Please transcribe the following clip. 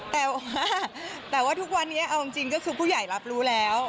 แต่ว่าแต่ว่าทุกวันนี้เอาจริงก็คือผู้ใหญ่รับรู้แล้ว